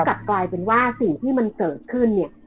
กลับกลายเป็นว่าสิ่งที่มันเกิดขึ้นเนี่ย